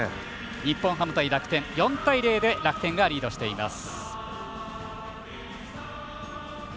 日本ハム対楽天、４対０で楽天がリードしています。